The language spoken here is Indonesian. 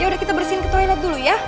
yaudah kita bersihin ke toilet dulu ya